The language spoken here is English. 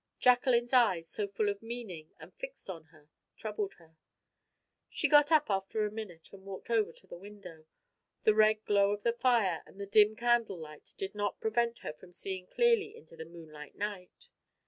Jacqueline's eyes, so full of meaning and fixed on her, troubled her. She got up after a minute and walked over to the window. The red glow of the fire and the dim candle light did not prevent her from seeing clearly into the moonlight night.